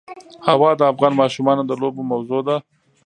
هوا د افغان ماشومانو د لوبو موضوع ده.